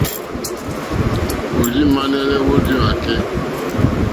Ò rz-ímànɛ̀lè wórzíwàkɛ́.